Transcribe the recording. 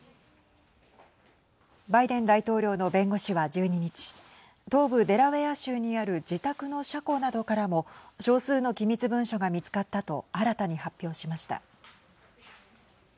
バイデン大統領の弁護士は１２日東部デラウェア州にある自宅の車庫などからも少数の機密文書が見つかったと新たに発表しました。